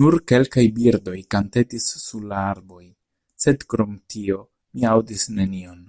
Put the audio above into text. Nur kelkaj birdoj kantetis sur la arboj, sed krom tio mi aŭdis nenion.